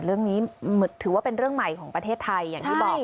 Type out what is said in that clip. เรื่องนี้ถือว่าเป็นเรื่องใหม่ของประเทศไทยอย่างที่บอก